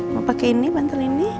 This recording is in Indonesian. mau pakai ini bantal ini